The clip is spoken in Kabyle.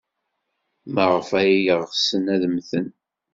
Maɣef ay ɣsen ad mmten?